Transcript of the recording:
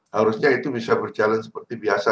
harusnya itu bisa berjalan seperti biasa